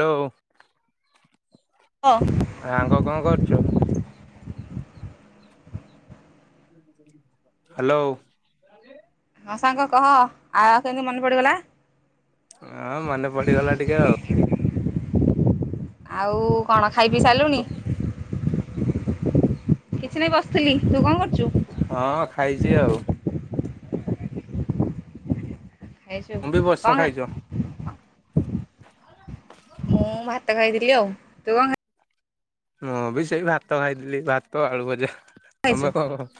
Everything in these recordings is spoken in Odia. ଲୋ ତ ସାଙ୍ଗ କଣ କରୁଛୁ? ହ୍ୟାଲୋ। ହଁ ସାଙ୍ଗ କହ, ଆ, କେମିତି ମନେ ପଡିଗଲା? ହଁ ମନେ ପଡିଗଲା ଟିକେ ଆଉ। ଆଉ କଣ ଖାଇ ପି ସାରିଲୁଣି? କିଛି ନାଇଁ ବସିଥିଲି, ତୁ କଣ କରୁଚୁ? ହଁ ଖାଇଛି ଆଉ ଖାଇଛୁ ମୁଁ ବି ବସି କଣ ଖାଇଛ? ମୁଁ ଭାତ ଖାଇଥିଲି ଆଉ, ତୁ କଣ ଖାଇ ମୁଁ ବି ସେଇ ଭାତ ଖାଇଥିଲି, ଭାତ ଆଳୁ ଭଜା, ତମେ କଣ?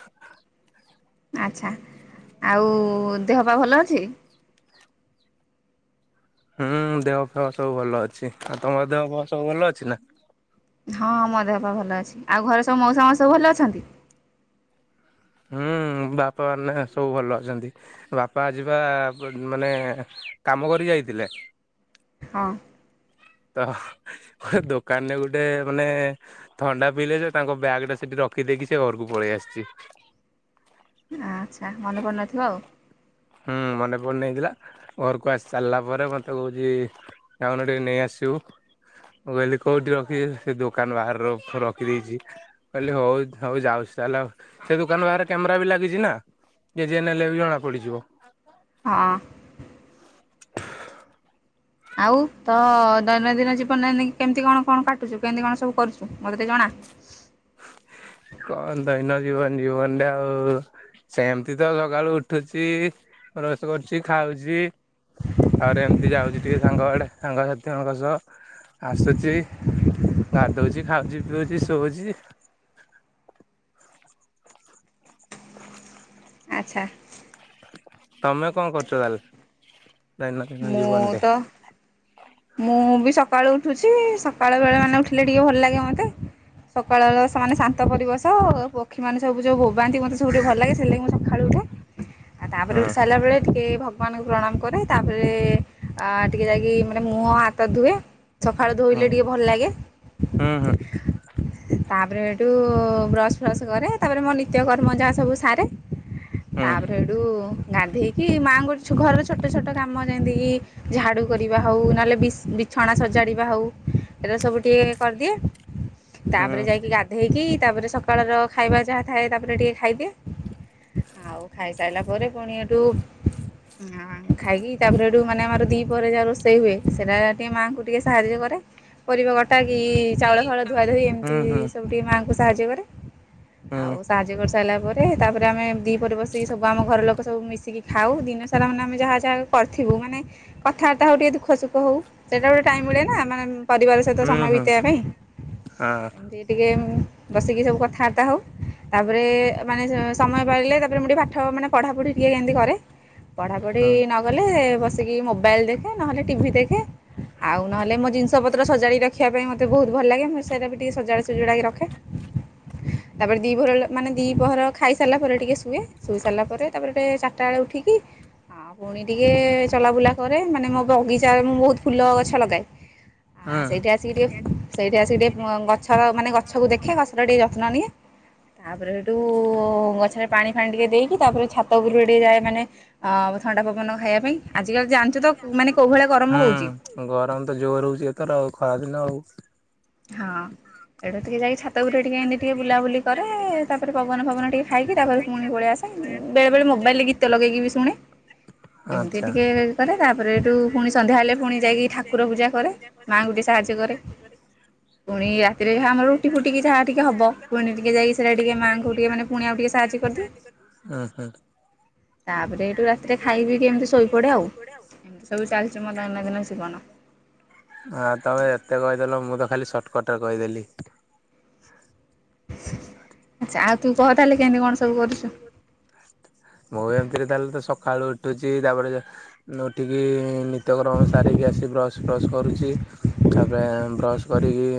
ଆଛା, ଆଉ ଦେହ ପା ଭଲ ଅଛି? ହୁଁ ଦେହ ଫେହ ସବୁ ଭଲ ଅଛି, ଆଉ ତମର ଦେହ ଫହ ସବୁ ଭଲ ଅଛି ନା? ହଁଁ ମୋ ଦେହ ପା ଭଲ ଅଛି, ଆଉ ଘରେ ସବୁ ମଉସା ମାଉସି ସବୁ ଭଲ ଅଛନ୍ତି। ହୁଁ ବାପା ମାନେ ସବୁ ଭଲ ଅଛନ୍ତି। ବାପା ଆଜିବା ମାନେ କାମ କରି ଯାଇଥିଲେ। ହଁ। ତ ଦୋକାନରେ ଗୋଟେ ମାନେ ଥଣ୍ଡା ପିଇଲେ ଯେ ତାଙ୍କ ବ୍ୟାଗ୍ ଟା ସେଠି ରଖିଦେଇକି ସେ ଘରକୁ ପଳେଇ ଆସିଛି। ଆଛା, ମନେ ପଡିନଥିବ ଆଉ। ହୁଁ ମନେ ପଡି ନେଇଥିଲା, ଘରକୁ ଆସି ସାରିଲା ପରେ ମତେ କହୁଛି ଯାଉନୁ ଟିକେ ନେଇ ଆସିବୁ। ମୁଁ କହିଲି କୋଉଠି ରଖିଛି ସେ ଦୋକାନ ବାହାରେ ର ରଖିଦେଇଛି। ମୁଁ କହିଲି ହଉ ହଉ ଯାଉଛି ତାହେଲେ, ସେ ଦୋକାନ ପାଖରେ କ୍ୟାମେରା ବି ଲାଗିଛି ନା ଯିଏ ଯିଏ ନେଲେ ବି ଜଣା ପଡିଯିବ। ହଁ। ଆଉ ତ, ଦୈନନ୍ଦିନ ଜୀବନରେ କେମିତି କଣ କଣ କାଟୁଛୁ? କେମିତି କଣ ସବୁ କରୁଛୁ? ମୋତେ ଟିକେ ଜଣା। କଣ ଦୈନ ଜୀବନ ଜୀବନରେ ଆଉ ସେମିତି ତ ସକାଳୁ ଉଠୁଚି, ବ୍ରସ କରୁଛି ଖାଉଚି ଆହୁରି ଏମିତି ଯାଉଛି ଟିକେ ସାଙ୍ଗ ଆଡେ, ସାଙ୍ଗସାଥିଙ୍କ ସହ ଆସୁଛି। ଗାଧଉଚି ଖାଉଚି ପିଉଚି ଶୋଉଛି। ଆଛା। ତମେ କଣ କରୁଛ ତାହେଲେ, ଦୈନନ୍ଦିନ ମୁଁ ଜୀବନରେ? ତ ମୁଁ ବି ସକାଳୁ ଉଠୁଛି, ସକାଳୁ ବେଳେ ମାନେ ଉଠିଲେ ଟିକେ ଭଲ ଲାଗେ ମତେ। ସକାଳର ସେମାନେ ଶାନ୍ତ ପରିବେଶ, ପକ୍ଷୀ ମାନେ ସବୁ ଯୋଉ ବୋବାନ୍ତି, ମତେ ସବୁଠି ଭଲ ଲାଗେ, ସେ ଲଗି ମୁଁ ସକାଳୁ ଉଠେ। ଆ ତାପରେ ହୁଁ। ଉଠିସାରିଲା ବେଳେ ଟିକେ ଭ ମାନଙ୍କୁ ପ୍ରଣାମ କରେ, ତାପରେ ଅ ଟିକେ ଯାଇକି ମାନେ ମୁହଁ ହାତ ଧୁଏ। ସକାଳୁ ଧୋଇଲେ ହୁଁ ଟିକେ ଭଲ ଲାଗେ। [inaudible] ତାପରେ ଏଇଠୁ ବ୍ରସ ଫ୍ରସ କରେ, ତାପରେ ମୋ ନିତ୍ୟ କର୍ମ ଯାହା ସବୁ ସାରେ। ତାପରେ ସେଡୁ ଗାଧେଇକି ମାଆଙ୍କଛ ଘରର ଛୋଟ ଛୋଟ କାମ ଯେମତି କିି ଝାଡୁ କରିବା ହଉ, ନହେଲେ ବିସ୍ ବିଛଣା ସଜାଡ଼ିବା ହଉ, ଏଟା ସବୁ ଟିକେ କରିଦିଏ। ତାପରେ ଯାଇକି ଗାଧେଇକି, ତାପରେ ସକାଳର ଖାଇବା ଯାହା ଥାଏ, ତାପରେ ଟିକେ ଖାଇଦିଏ। ଆଉ ଖାଇସାରିଲା ପରେ ପୁଣି ଏଠୁ ହ ଖାଇକି ତାପରେ ଏଠୁ ମାନେ ଆମର ଦି ପରେ ଯାହା ରୋସ୍ ସେଇ ହୁଏ ସେଇଟା ଟିକେ ମାଆଙ୍କୁ ଟିକେ ସାହାଯ୍ୟ କରେ, ପରିବା କଟା କି? ଚାଉଳ ଫାଉଳ ଧୁଆ ଧୁଇ, ଏମିତି ସବୁ ଟିକେ ମାଆଙ୍କୁ ସାହାଯ୍ୟ କରେ, ଆଉ ସାହାଯ୍ୟ କରି ସା ସରିଲା ପରେ ତାପରେ ଆମେ ଦି ପହରେ ବସିକି ସବୁ ଆମ ଘର ଲୋକ ସବୁ ମିଶିକି ଖାଉ, ଦିନ ସାରାମାନେ ଆମେ ଯାହା ଯାହା କରିଥିବୁ ମାନ କଥାବାର୍ତ୍ତା ହଉ, ଟିକେ ଦୁଃଖ ସୁଖ ହଉ ସେଟା ଗୋଟେ ଟାଇମ ମିଳେ ନା, ମାନେ ପରିବାର ସହିତ ସମୟ ବିତେଇବା ପାଇଁ, ଏମତି ଟିକେ ବସିକି ସବୁ କଥାବାର୍ତ୍ତା ହଉ। ତାପରେ ମାନେ ସ ସମୟ ପାଇଲେ, ତାପରେ ମୁଁ ଟିକେ ପାଠ ମାନେ ପଢାପଢି ଟିକିଏ ହେମତି କରେ। ପଢାପଢି ନଗଲେ ବସିକି ମୋବାଇଲ ଦେଖେ ନହେଲେ ଟିଭି ଦେଖେ ଆଉ ନହେଲେ ମୋ ଜିନିଷ ପତ୍ର ସଜାଡିକି ରଖ ଖିଆ ପାଇଁ ମତେ ବହୁତ୍ ଭଲ ଲାଗେ ମୁଁ ସେଇଟା ବି ଟିକେ ସଜଡ଼ ସୁଜଡ଼ାକି ରଖେ। ତାପରେ ଦି ଭୋର ହେଲେ ମାନେ ଦି ପହର ଖାଇ ସାରିଲା ପରେ ଟିକେ ଶୁଏ, ଶୋଇ ସାରିଲା ପରେ ତାପରେ ଟିକେ ଚାର ଟା ବେଳେ ଉଠିକି ଆଉ ପୁଣି ଟିକେ ଚଲାବୁଲା କରେ ମାନେ ମୋ ବଗି ଚା ରେ ମୁଁ ବହୁତ ଫୁଲ ଗଛ ଲଗାଏ। ଆ ସେଇଠି ଆସିକି ଟିକେ, ସେଇଠି ଆସିକି ଟିକେ ଗଛର ମାନେ ଗଛକୁ ଦେଖେ ଗଛର ଟିକେ ଯ ଯତ୍ନ ନିଏ, ତାପରେ ହେଠୁ ଗଛରେ ପାଣି ଫାଣି ଟିକେ ଦେଇକି ତାପରେ ଛାତ ଉପରକୁ ଟିକେ ଯାଏ ମାନେ ଅ ଥଣ୍ଡା ପବନ ଖାଇବା ପାଇଁ, ଆଜିକାଲି ଜାଣିଛ ତ ମାନେ କୋଉ ଭଳିଆ ଗରମ ହୁଁ, ହେଉଛି ଗରମ ତ ଜୋର ହଉଛି ଏଥର ଆଉ ଖରାଦିନ ଆଉ ହଁ। ଏଠୁ ଟିକେ ଯାଇ ଛାତ ଉପୁରେ ଟିକେ ଏନତି ଟିକେ ବୁଲାବୁଲି କରେ ତାପରେ ପବନ ଫବନ ଟିକେ ଖାଇକି ତାପରେ ପୁଣି ପଳେଇ ଆସେ। ବେଳେବେଳେ ମୋବାଇଲରେ ଗୀତ ଲଗେଇକି ବି ଶୁଣେ। ଶୁଣେ। ଏମିତି ଟିକେ କରେ ତାପରେ ଏଠୁ ପୁଣି ସନ୍ଧ୍ୟାବେଳେ ପୁଣି ଯାଇକି ଠାକୁର ପୂଜା କରେ, ମାଆଙ୍କୁୁ ଟିକେ ସାହାଯ୍ୟ କରେ। ଏଇ ରାତିରେ ଯାହା ହଉ ରୁଟି ଫୁଟି ଦିଇଟା ଟିକେ ହବ ମାନେ ଟିକେ ଯାଇ ସେଟା ଟିକେ ମାଙ୍କୁ ଟିକେ ମାନେ ପୁଣି ଆଉ ଟିକେ ସାହାଯ୍ୟ କରୁ, ଅ ହଁ। ତାପରେ ହେଇଠୁ ରାତିରେ ଖାଇ ପିଇକି ଏମିତି ଶୋଇପଡ଼େ ଆଉ, ଏମିତି ସବୁ ଚାଲିଛି ମୋ ଦୈନନ୍ଦିନ ଜୀବନ। ହଁ ତମେ ଏତେ କହିଦେଲ ମୁଁ ତ ଖାଲି ସର୍ଟକଟରେ କହିଦେଲି। ଆଚ୍ଛା, ଆଉ ତୁ କହ ତାହେଲେ କେମିତି କଣ ସବୁ କରୁଛୁ? ମୁଁ ଏମିତିରେ ତାହେଲେ ତ ସଖାଳୁ ଉଠୁଚି ତାପରେ ଯା ଉଠିକି ନିତ୍ୟକରମ ସାରିକି ଆସି ବ୍ରସ୍ ଫ୍ରସ୍ କରୁଛି ତାପରେ ବ୍ରସ୍ କରିକି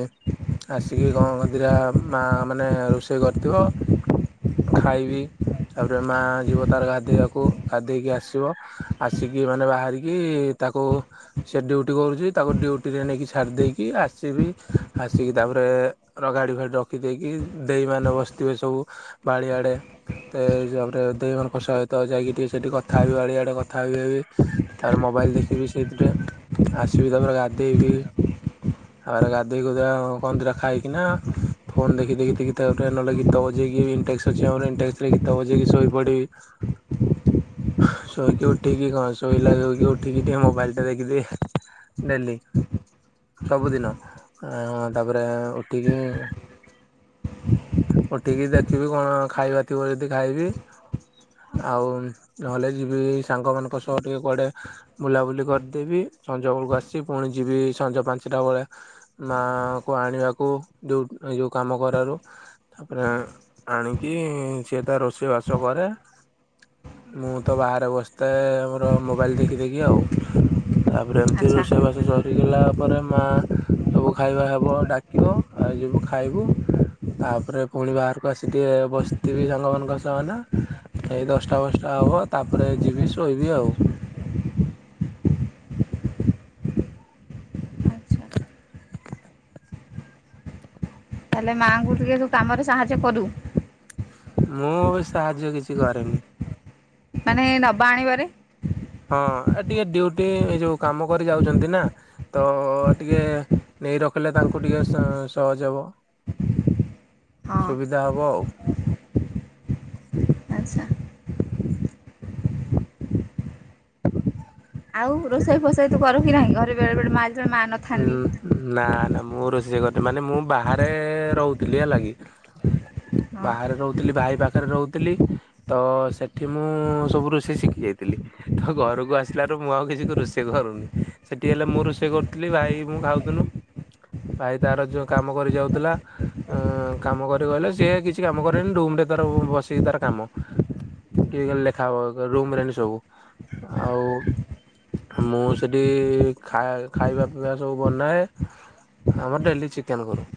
ଆସିକି କଣ କଣ ଦିଇଟା ମା ମାନେ ରୋଷେଇ କରିଥିବ ଖାଇବି, ତାପରେ ମା ଯିବ ତାର ଗାଧେଇବାକୁ ଗାଧେଇକି ଆସିବ, ଆସିକି ମାନେ ବାହାରିକି ତାକୁ ସେ ଡ୍ୟୁଟି କରୁଛି, ତାକୁ ଡ୍ୟୁଟିରେ ନେଇକି ଛାଡ଼ି ଦେଇକି ଆସିବି ଆସିକି ତାପରେ ର ଗାଡି ଫାଡି ରଖି ଦେଇକି, ଦେଇ ମାନେ ବସିଥିବେ ସବୁ ବାଡି ଆଡେ ତେ ହିସାବରେ ଦେଇ ମାନେ ସହିତ ଯାଇକି ଟିକେ ସେଠି କଥା ହେବି ବାଡି ଆଡେ କଥା ହେବି ହେବି ତାପରେ ମୋବାଇଲ ଦେଖିବି ସେଇଥିରେ ଆସିବି ତାପରେ ଗାଧେଇବି ତାପରେ ଗାଧେଇ ଗୁଧୁଆ କଣ ଦିଟା ଖାଇକିନା ଫୋନ ଦେଖି ଦେଖି ଦେଖି ତାପରେ ନହେଲେ ଗୀତ ବଜେଇକି ଇଣ୍ଟେକ୍ସ ଅଛି ଆମର ଇଣ୍ଟେକ୍ସରେ ଗୀତ ବଜେଇକି ଶୋଇ ପଡିବି। ଶୋଇକି ଉଠିକି କଣ ଶୋଇଲା ଶୋଇକି ଉଠିକି ଟିକେ ମୋବାଇଲ ଟା ଦେଖିଦିଏ। ଡେଲି। ସବୁଦିନ ଅ ତାପରେ ଉଠିକି ଉଠିକି ଦେଖିବି କଣ ଖାଇବା ଥିବ ଯଦି ଖାଇବି ଆଉ ନହେଲେ ଯିବି ଏଇ ସାଙ୍ଗମାନଙ୍କ ସହ ଟିକେ କୁଆଡ଼େ ବୁଲାବୁଲି କରିଦେବି, ସଞ୍ଜ ବେଳକୁ ଆସିବି ପୁଣି ଯିବି ସଞ୍ଜ ପାଞ୍ଚଟା ବେଳେ ମାଆଙ୍କୁ ଆଣିବାକୁ ଯୋଉଁ ଏ ଯୋଉଁ କାମ କରାରୁ ତାପରେ ଆଣିକି, ସିଏ ତା ରୋଷେଇ ବାସ କରେ ମୁଁ ତ ବାହାରେ ବସିଥାଏ ମୋର ମୋବାଇଲ ଦେଖି ଦେଖି ଆଉ। ତାପରେ ଏମିତି ଆଚ୍ଛା। ରୋଷେଇ ବାସ ସରିଗଲା ପରେ ମା ସବୁ ଖାଇବା ହବ ଡାକିବ ଆଉ ଯିବୁ ଖାଇବୁ। ତାପରେ ପୁଣି ବାହାରକୁ ଆସି ଟିକେ ବସିଥିବି ସାଙ୍ଗମାନଙ୍କ ସହ। ଏଇ ଦଶଟା ବଶଟା ହବ ତାପରେ ଯିବି ଶୋଇବି ଆଉ। ଆଚ୍ଛା। [inaudible] ତାହେଲେ ମାଆଙ୍କୁ ଟିକେ ତୁ କାମରେ ସାହାଯ୍ୟ କରୁ। ମୁଁ ସାହାଯ୍ୟ କିଛି କରେନି। ମାନେ ନବା ଆଣିବାରେ। ହଁ ଆ ଟିକେ ଡ୍ୟୁଟି ଏ ଯୋଉ କାମ କରି ଯାଉଛନ୍ତି ନା। ତ ଟିକେ ନେଇ ରଖିଲେ ତାଙ୍କୁ ଟିକେ ସ ସହଜ ହେବ। ହଁ ସୁବିଧା ହବ ଆଉ। ଆଚ୍ଛା ଆଉ ରୋଷେଇ ଫୋସାଇ ତୁ କରୁ କି ନାହିଁ ଘରେ ବେଳେବେଳେ ମା ଥିଲେ ମା ନ। ହୁଁ ଉ ନାନା ମୁଁ ରୋଷେଇ କରେ ମାନେ ମୁଁ ବାହାରେ ରହୁଥିଲି ହେଲା କିି। ହଁ ବାହାରେ ରହୁଥିଲି ଭାଇ ପାଖରେ ରହୁଥିଲି। ତ ସେଠି ମୁଁ ସବୁ ରୋଷେଇ ଶିଖି ଯାଇଥିଲି। ତ ଘରକୁ ଆସିଲାରୁ ମୁଁ ଆଉ କିଛି ତ ରୋଷେଇ କରୁନି, ସେଠି ହେଲେ ମୁଁ ରୋଷେଇ କର। ଥିଲି ଭାଇ ମୁଁ ଖାଉଥିନୁ, ଭାଇ ତାର ଯୋଉ କାମ କରି ଯାଉଥିଲା। ଅଁ କାମ କରି ଗଲେ, ସିଏ କିଛି କାମ କରେନି ରୁମ୍ ରେ ତାର ବସିକି ତାର କାମ। କି ଲେଖା ହବ ରୁମ୍ ରେଣ୍ଟ୍ ସବୁ ଆଉ। ମୁଁ ସେଠି ଖା ଖାଇବା ପିଇବା ସବୁ ବନାଏ। ଆମର ଡେଲି ଚିକେନ କରୁ,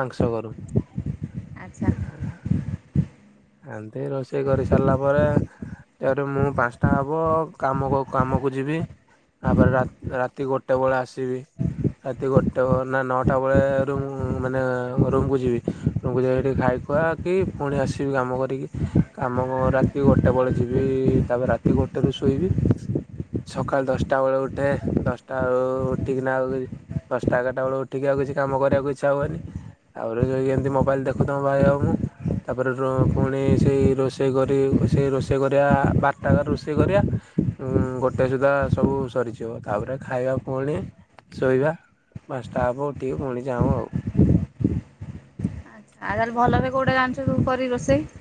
ମାଂସ କରୁ। ଆଚ୍ଛା ରୋଷେଇ କରି ସାରିଲା ପରେ। ତାପରେ ମୁଁ ପାଞ୍ଚଟା ହବ କାମକୁ କାମକୁ ଯିବି। ତାପରେ ରା ରାତି ଗୋଟେ ବେଳେ ଆସିବି। ରାତି ଗୋଟେ ହବନା ନଅଟା ବେଳେ ରୁମ୍ ମାନେ ମୋ ରୁମ୍ କୁ ଯିବି। ରୁମ୍ କୁ ଯାଇକି ଏଠି ଖାଇ ଖୁଆ କି ପୁଣି ଆସିବି କାମ କରିକି। କାମ କ ରାତି ଗୋଟେ ବେଳେ ଯିବି, ତାପରେ ରାତି ଗୋଟେ ରୁ ଶୋଇବି। ସଖାଳ ଦଶଟା ବେଳେ ଉଠେ ଦଶଟା ବେଳେ ଉଠିକିନା ଆଉ ଏଇ। ଦଶଟା ଏଗାରଟା ବେଳୁ ଉଠିକି ଆଉ କିଛି କାମ କରିବାକୁ ଇଚ୍ଛା ହବନି। ତାପରେ ଏମିତି ଯୋଉ ଏମତି ମୋବାଇଲ୍ ଦେଖୁଥାଉ ଭାଇ ଆଉ ମୁଁ। ରୋରୋ ପୁଣି ସେଇ ରୋଷେଇ କରି, ସେଇ ରୋଷେଇ କରିବା ବାରଟାକ ରୋଷେଇ କରିବା। ଉଁ ଗୋଟେ ସୁଦ୍ଧା ସବୁ ସରିଯିବ ତାପରେ ଖାଇବା ପୁଣି। ଶୋଇବା ପାଞ୍ଚଟା ହେବ ଉଠିକି ପୁଣି ଯାଉଁ ଆଉ। ଆଚ୍ଛା ଆଉ ତାହେଲେ ଭଲରେ କୋଉଟା ଜାଣିଛୁ କରି ରୋଷେଇ?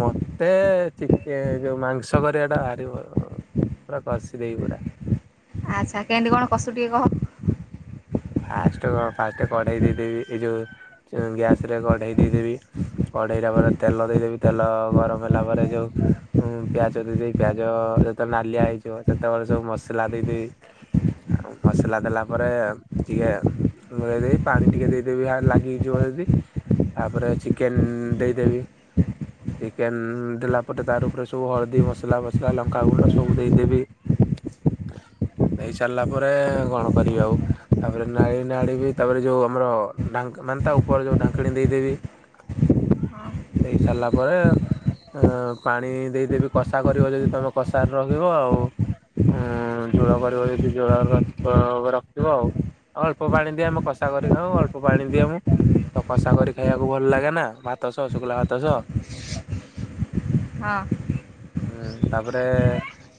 ମତେ ଚିକେ ଯୋଉ ମାଂସ କରିବା ଟା ଭାରି ଭଲ। ପୁରା କଷିଦେଇ ପୁରା। ଆଚ୍ଛା କେମିତି କଣ କସୁ ଟିକେ କହ? ଫାଷ୍ଟକ ଫାଷ୍ଟ କଢେଇ ଦେଇଦେବି, ଏଇ ଯୋଉ ଗ୍ୟାସ ରେ କଢେଇ ଦେଇଦେବି। କଢେଇଲା ପରେ ତେଲ ଦେଇଦେବି ତେଲ ଗରମ ହେଲା ପରେ ଯୋଉ। ଉଁ ପିଆଜ ଦେଇଦେଇ ପିଆଜ ଯେତେ ନାଲିଆ ହେଇଯିବା ସେତେବେଳେ ସବୁ ମସଲା ଦେଇଦେବି। ଆଉ ମସଲା ଦେଲା ପରେ ଆ। ଦିଏ ଆଉ ଲୁଣ ଦେଇ ପାଣି ଟିକେ ଦେଇଦେବି ଲାଗି ହେଇଯିବ ଯଦି। ତାପରେ ଚିକେନ୍ ଦେଇଦେବି। ଚିକେନ୍ ଦେଲା ପରେ ତାର ଉପରେ ସବୁ ହଳଦୀ ମସଲା ଫସଲା ଲଙ୍କାଗୁଣ୍ଡ ସବୁ ଦେଇଦେବି। ଦେଇ ସାରିଲା ପରେ କଣ କରିବି ଆଉ? ତାପରେ ନାଇ ନାଡିବି ତାପରେ ଯୋଉ ଆମର ଢାଙ୍କ ମାନେ ତା ଉପରେ ଯୋଉ ଢାଙ୍କିଣି ଦେଇଦେବି। ହଁ ଦେଇ ସାରିଲା ପରେ, ଆଁ ପାଣି ଦେଇଦେବି କଷା କରିବ ଯଦି ତମ କଷାର ରଖିବ ଆଉ। ଉଁ ଝୋଳ କରିବ ଯଦି ଝୋଳରେ [inaudible] ରଖିବ ଆଉ। ଅଳ୍ପ ପାଣି ଦିଏ ମୁଁ କଷା କରି ଖାଉ ଅଳ୍ପ ପାଣି ଦିଏ ମୁଁ। ତ କଷା କରି ଖାଇବାକୁ ଭଲ ଲାଗେନା ଭାତ ସହ ଶୁଗୁଲା ଭାତସହ। ହଁ। ହଁ ତାପରେ,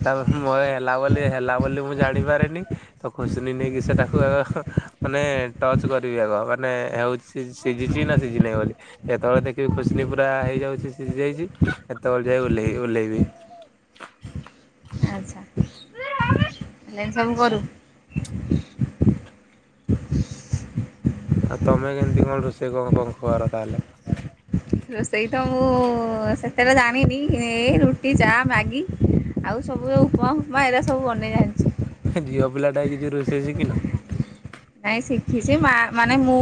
ତା ପ [inaudible] ମୋର ହେଲା ବୋଲି ହେଲା ବୋଲି ମୁଁ ଜାଣିପାରେିନି ତ ଖୋଜନି ନେଇକି ସେଟାକୁ ମାନେ ଟଚ କରିବି ଆଗ ମାନେ ହଉଛି ସିଝିଚି ନା ସିଝିନି ଆଉ ବୋଲି। ଏତେ ବେଳ ଦେଖିବି ଖୁସିନି ପୁରା ହେଉଯାଉଛି ସିଝି ଯାଇ ହେତେ ବେଳେ ଓହ୍ଲେଇ ଓହ୍ଲେଇବି। ଆଚ୍ଛା, ହେଲେ ସବୁ ବରୁ ଆଉ ତମେ କେମିତି କଣ ରୋଷେଇ କଣ କଣ କର ତାହେଲେ? ରୋଷେଇ ତ ମୁଁ ସେତେଟା ଜାଣିନି ରୁଟି, ଚା, ମ୍ୟାଗି ଆଉ ସବୁ ଉପମା ଫୁପମା ଏରା ସବୁ ବନେଇ ଜାଣିଛି। ଝିଅ ପିଲାଟା ହେଇ କିଛିି ରୋଷେଇ ଶିଖି ନ? ନାଇଁ ଶିଖିଛି ମା ମାନେ ମୁଁ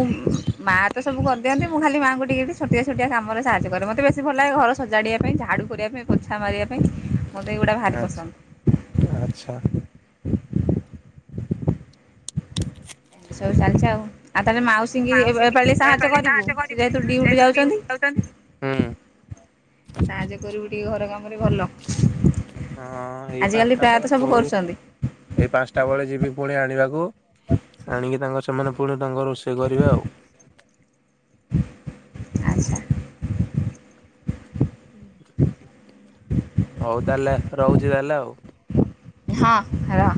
ମା ତ ସବୁ କରିଦିଅନ୍ତି ମୁଁ ଖାଲି ମାଙ୍କୁ ଟିକେ ଟିକେ ଛୋଟିଆ ଛୋଟିଆ କାମରେ ସାହାଯ୍ୟ କରେ ମୋତେ ବେଶୀ ଭଲ ଲାଗେ ଘର ସଜାଡି଼ବା ପାଇଁ ଝାଡୁ କରିବା ପାଇଁ ପୋଛା ମାରିବା ପାଇଁ। ମୋତେ ଏଗୁଡ଼ା ଭାରି ଆଚ୍ଛା ପସନ୍ଦ। ଆଚ୍ଛା। ଏମତି ସବୁ ଚାଲିଛି ଆଉ, ଆଉ ତାହେଲେ ମାଉସୀ ସିି ଏ ପାଳି ସାହାଯ୍ୟ କରିବୁ ସେ ଯେହେତୁ ଡିଉଟି ଯାଉଛନ୍ତି। ହୁଁ ସାହାଯ୍ୟ କରିବୁ ଟିକେ ଘର କାମରେ ଭଲ। ହଁ ଏଇ ଆଜିକାଲି ଫାଙ୍କା ପ୍ରାୟତଃ ପୁରା ସବୁ ପଳେଇ କରୁଛନ୍ତି ଏଇ ପାଞ୍ଚଟା ବେଳେ ଯିବି ପୁଣି ଆଣିବାକୁ, ଆଣିକି ତାଙ୍କ ସେମାନେ ପୁଣି ତାଙ୍କ ରୋଷେଇ କରିବେ ଆଉ। ଆଚ୍ଛା ହଉ ତାହେଲେ ରହୁଛି ତାହେଲେ ଆଉ। ହଁ ରହ।